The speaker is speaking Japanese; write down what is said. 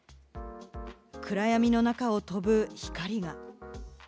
暗闇の中を飛ぶ光が。